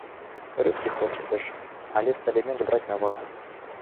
Рыбкі хочацца ж, але сталі менш браць на вагу.